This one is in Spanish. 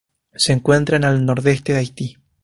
Se encuentran al nordeste de Haití.